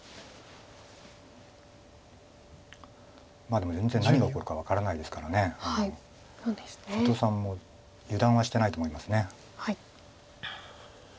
でも全然何が起こるか分からないですから瀬戸さんも油断はしてないと思います。